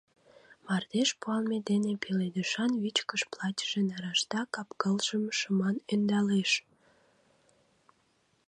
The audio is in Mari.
Мардеж пуалме дене пеледышан вичкыж платьыже нарашта кап-кылжым шыман ӧндалеш.